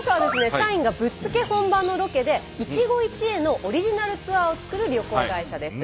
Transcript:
社員がぶっつけ本番のロケで一期一会のオリジナルツアーを作る旅行会社です。